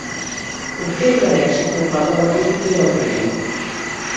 Obté gran èxit per part de la crítica i del públic.